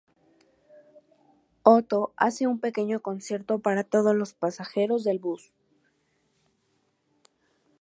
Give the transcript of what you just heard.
Otto hace un pequeño concierto para todos los pasajeros del autobús.